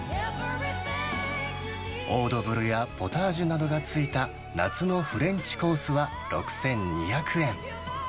オードブルやポタージュなどが付いた夏のフレンチコースは６２００円。